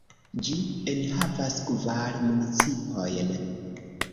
Ĝi enhavas kvar municipojn.